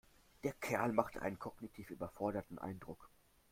Der Kerl macht einen kognitiv überforderten Eindruck.